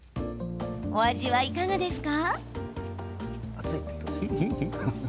お味はいかがですか？